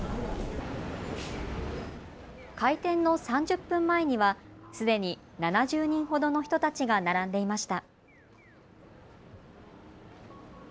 開店の３０分前にはすでに７０人ほどの人たちが並んでいました。